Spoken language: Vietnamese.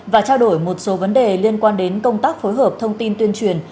và trao đổi một số vấn đề liên quan đến công tác phối hợp thông tin tuyên truyền